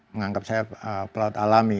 menganggap saya pelaut alami